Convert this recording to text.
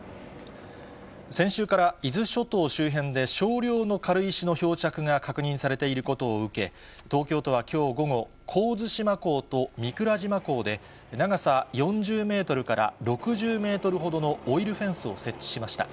先週から伊豆諸島周辺で、少量の軽石の漂着が確認されていることを受け、東京都はきょう午後、神津島港と御蔵島港で、長さ４０メートルから６０メートルほどのオイルフェンスを設置しました。